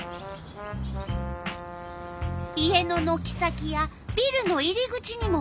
家ののき先やビルの入り口にも来る。